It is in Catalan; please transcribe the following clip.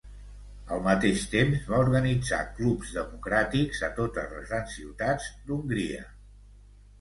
Al mateix temps, va organitzar clubs democràtics a totes les grans ciutats d'Hongria.